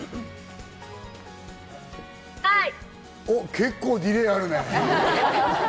結構ディレイあるね。